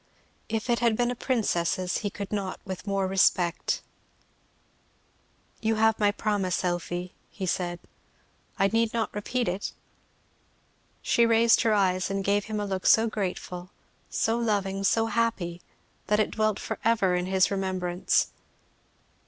If it had been a princess's he could not with more respect. "You have my promise, Elfie," he said. "I need not repeat it?" She raised her eyes and gave him a look so grateful, so loving, so happy, that it dwelt for ever in his remembrance.